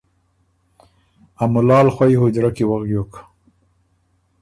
ا مُلال خوئ حُجرۀ کی وغیوک۔